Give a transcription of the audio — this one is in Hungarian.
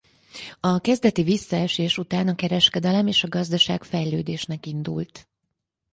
A kezdeti visszaesés után a kereskedelem és gazdaság fejlődésnek indult.